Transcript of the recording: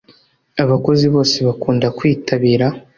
abakozi bose bakunda kwitabira.